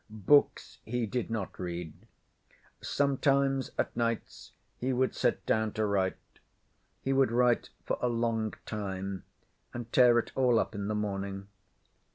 Books he did not read. Sometimes at nights he would sit down to write. He would write for a long time and tear it all up in the morning.